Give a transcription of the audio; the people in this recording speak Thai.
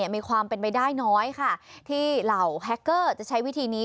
มีความเป็นไปได้น้อยค่ะที่เหล่าแฮคเกอร์จะใช้วิธีนี้